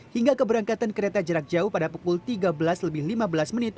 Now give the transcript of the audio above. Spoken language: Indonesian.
hingga keberangkatan kereta jarak jauh pada pukul tiga belas lebih lima belas menit